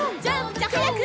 じゃあはやく。